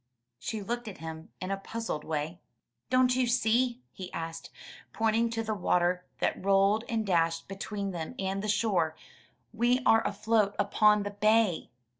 '' She looked at him in a puzzled way. ''Don't you see?" he asked, pointing to the water that rolled and dashed between them and the shore, "we are afloat upon the bay."